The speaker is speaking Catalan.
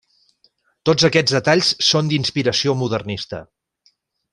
Tots aquests detalls són d'inspiració modernista.